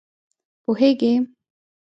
پوهېږې!